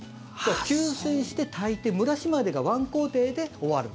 吸水して、炊いて、蒸らしまでが１工程で終わる。